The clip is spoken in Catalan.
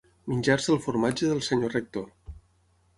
Menjar-se el formatge del senyor rector.